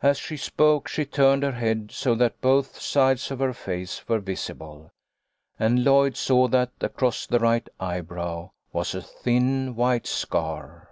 As she spoke she turned her head so that both sides of her face were visible, and Lloyd saw that across the right eyebrow was a thin white scar.